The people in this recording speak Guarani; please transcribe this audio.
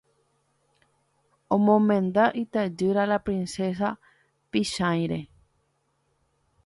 Omomenda itajýra la Princesa Pychãire.